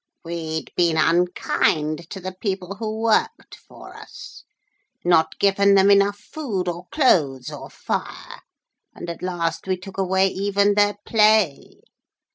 'We'd been unkind to the people who worked for us not given them enough food or clothes or fire, and at last we took away even their play.